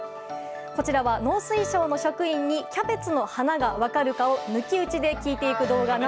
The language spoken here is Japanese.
こちらは農水省の職員にキャベツの花が分かるかを抜き打ちで聞いていく動画。